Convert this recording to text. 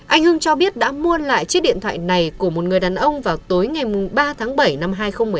anh hưng cho biết đã mua lại chiếc điện thoại này của một người đàn ông vào tối ngày ba tháng bảy năm hai nghìn một mươi năm